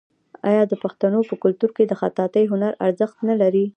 آیا د پښتنو په کلتور کې د خطاطۍ هنر ارزښت نلري؟